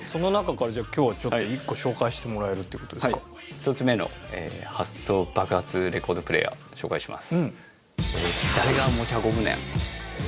１つ目の発想爆発レコードプレーヤー紹介します。